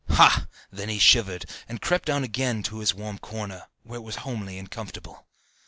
Ha! then he shivered, and crept down again to his warm corner, where it was homely and comfortable.